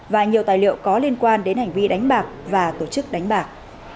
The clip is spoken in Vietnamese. và nhiều tài liệu có liên quan đến hành vi đánh bạc và tổ chức đánh bạc